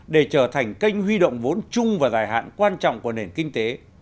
để trở thành kênh huy động vốn chung và dài hạn quan trọng của nền kinh tế